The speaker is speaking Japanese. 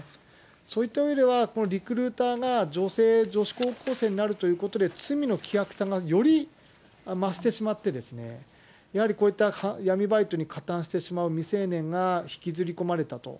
そういったうえでは、こういったリクルーターが女性、女子高校生になるということで、罪の希薄さがより増してしまって、やはりこういった闇バイトに加担してしまう未成年が引きずり込まれたと。